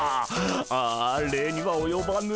ああ礼にはおよばぬ。